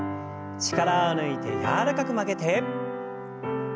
力を抜いて柔らかく曲げて反らせて。